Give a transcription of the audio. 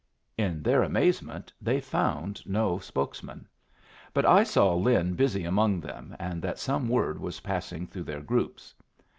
In their amazement they found no spokesman; but I saw Lin busy among them, and that some word was passing through their groups.